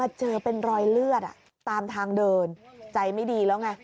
เจอเป็นรอยเลือดตามทางเดินใจไม่ดีแล้วไง